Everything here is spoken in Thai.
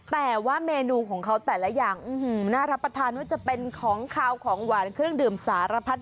แต่ว่าเมนูของเขาแต่ละอย่างน่ารับประทานว่าจะเป็นของขาวของหวานเครื่องดื่มสารพัด